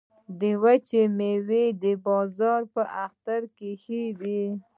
د وچې میوې بازار په اختر کې ښه وي